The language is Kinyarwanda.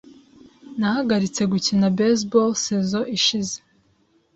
Nahagaritse gukina baseball saison ishize.